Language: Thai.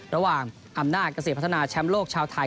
ระหว่างอำนาจเกษตรพัฒนาแชมป์โลกชาวไทย